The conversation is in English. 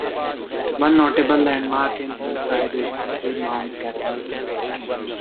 One notable landmark in Hillside is the Mount Carmel Cemetery.